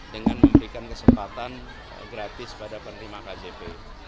dengan memberikan kesempatan gratis pada penerima kjp